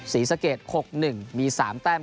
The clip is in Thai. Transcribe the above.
ศรีสะเกด๖๑มี๓แต้ม